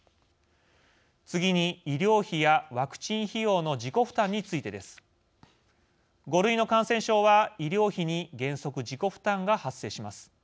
次に、医療費やワクチン費用の自己負担についてです。５類の感染症は、医療費に原則自己負担が発生します。